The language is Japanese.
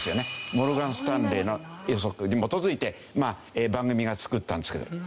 モルガン・スタンレーの予測に基づいて番組が作ったんですけど。